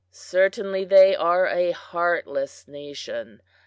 "Certainly they are a heartless nation.